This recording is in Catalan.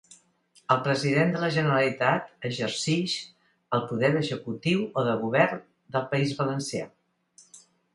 El President de La Generalitat exercix el poder executiu o de govern del País Valencià.